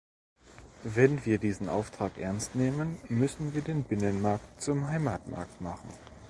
Wenn wir diesen Auftrag ernst nehmen, müssen wir den Binnenmarkt zum Heimatmarkt machen.